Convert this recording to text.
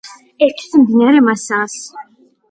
ერთვის მდინარე მაასს.